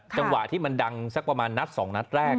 จังหวะที่มันดังสักประมาณนัด๒นัดแรก